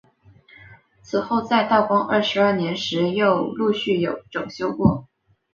此后在道光二十二年时又陆续有整修过。